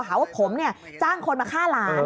หาว่าผมจ้างคนมาฆ่าหลาน